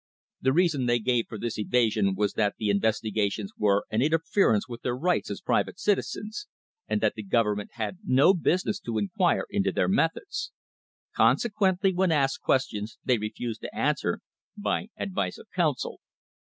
The reason they gave for this evasion was that the investigations were an inter ference with their rights as private citizens, and that the government had no business to inquire into their methods. Consequently when asked questions they refused to answer "by advice of counsel."